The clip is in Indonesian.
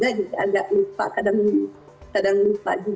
jadi agak lupa kadang kadang lupa juga